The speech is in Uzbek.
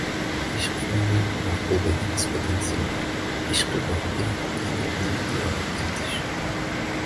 “Ishqi foniy”- mahbubaga nisbatan sevgi. “Ishqi boqiy” –Tangrining diydoriga yetish...